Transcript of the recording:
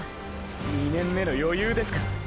２年目の余裕ですか？